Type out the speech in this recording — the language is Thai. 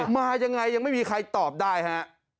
มายังไงยังไม่มีใครตอบได้ฮะ